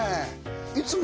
いつも